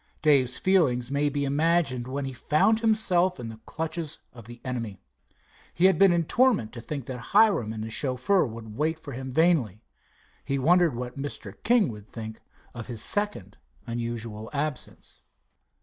Dave's feelings may be imagined when he found himself in the clutches of the enemy. He had been in torment to think that Hiram and the chauffeur would wait for him vainly. He wondered what Mr. King would think of this second unusual absence.